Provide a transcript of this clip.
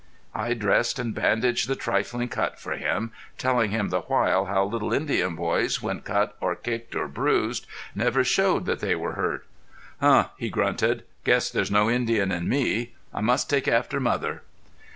I dressed and bandaged the trifling cut for him, telling him the while how little Indian boys, when cut or kicked or bruised, never showed that they were hurt. "Huh!" he grunted. "Guess there's no Indian in me.... I must take after mother!"